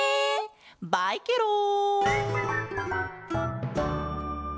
バイケロン！